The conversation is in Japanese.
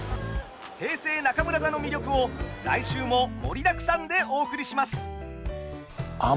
平成中村座の魅力を来週も盛りだくさんでお送りします。